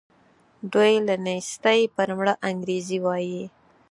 دوی له نېستي پر مړه انګرېږي وايي.